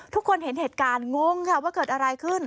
ทุกคนเห็นเหตุการณ์งงค่ะว่าเกิดอะไรขึ้น